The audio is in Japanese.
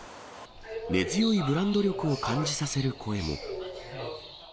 根強いブランド力を感じさせる声も。